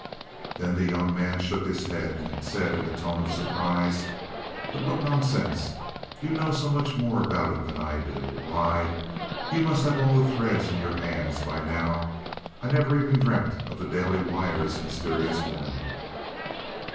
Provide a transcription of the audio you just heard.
Then the young man shook his head and said in a tone of surprise: "But what nonsense! You know so much more about it than I do. Why, you must have all the threads in your hands by now. I never even dreamt of the Daily Wire's mysterious woman."